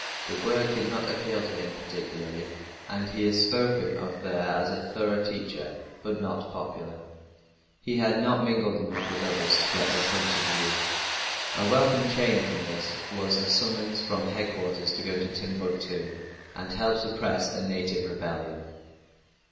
The work did not appeal to him particularly and he is spoken of there as a thorough teacher, but not popular. He had not mingled enough with others to get their point of view. A welcome change from this was a summons from headquarters to go to Timbuctoo, and help suppress a native rebellion.